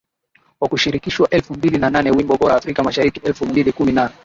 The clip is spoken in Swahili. wa Kushirikishwa elfu mbili na nane Wimbo Bora Afrika Mashariki elfu mbili kumi na